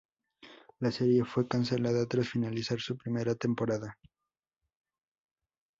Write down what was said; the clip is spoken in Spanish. La serie fue cancelada tras finalizar su primera temporada.